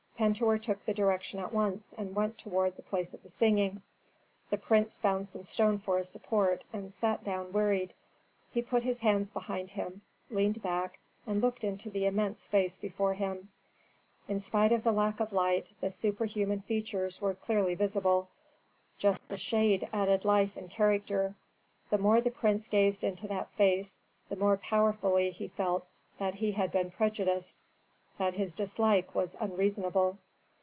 Pentuer took the direction at once and went toward the place of the singing. The prince found some stone for a support and sat down wearied. He put his hands behind him, leaned back, and looked into the immense face before him. In spite of the lack of light, the superhuman features were clearly visible; just the shade added life and character. The more the prince gazed into that face, the more powerfully he felt that he had been prejudiced, that his dislike was unreasonable.